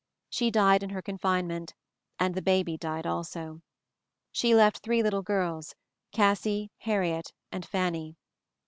She died in her confinement, and the baby died also. She left three little girls, Cassie, Harriet, and Fanny.